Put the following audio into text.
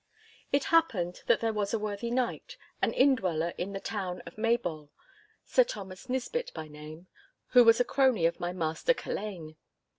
It happened that there was a worthy knight, an indweller in the town of Maybole, Sir Thomas Nisbett by name, who was a crony of my master Culzean.